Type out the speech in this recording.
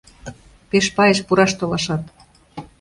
Пеш пайыш пураш толашат!..